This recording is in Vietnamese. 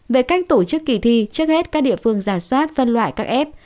về cách tổ chức kỳ thi trước hết các địa phương giả soát phân loại các f